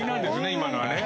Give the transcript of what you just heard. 今のはね。